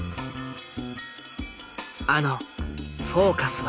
あの「フォーカス」は。